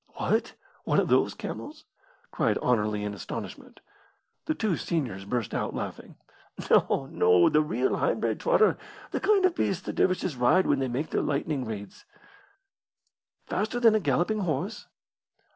"What, one of those camels?" cried Anerley in astonishment. The two seniors burst out laughing. "No, no, the real high bred trotter the kind of beast the dervishes ride when they make their lightning raids." "Faster than a galloping horse?"